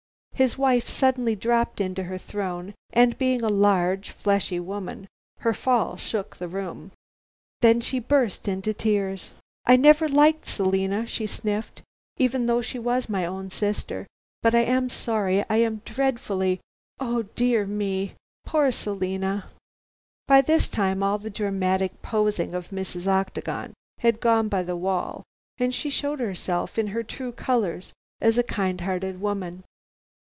His wife suddenly dropped into her throne and, being a large fleshly woman, her fall shook the room. Then she burst into tears. "I never liked Selina," she sniffed, "even though she was my own sister, but I am sorry I am dreadfully oh, dear me! Poor Selina!" By this time all the dramatic posing of Mrs. Octagon had gone by the wall, and she showed herself in her true colors as a kind hearted woman.